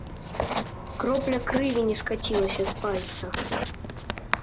Кропля крыві не скацілася з пальца.